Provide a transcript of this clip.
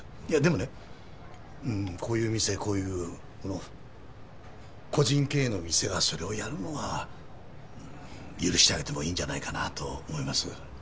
いやでもねこういう店こういう個人経営の店がそれをやるのは許してあげてもいいんじゃないかなと思います。